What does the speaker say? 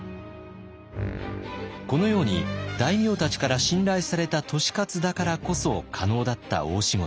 このように大名たちから信頼された利勝だからこそ可能だった大仕事。